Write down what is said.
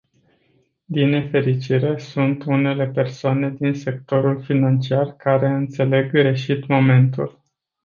Din nefericire, sunt unele persoane din sectorul financiar care înțeleg greșit momentul.